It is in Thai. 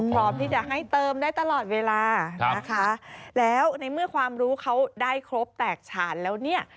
พร้อมที่จะให้เติมได้ตลอดเวลานะคะแล้วในเมื่อความรู้เขาได้ครบแตกฉานแล้วเนี่ย